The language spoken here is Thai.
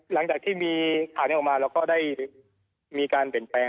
หลังจากที่มีข่าวนี้ออกมาเราก็ได้มีการเปลี่ยนแปลง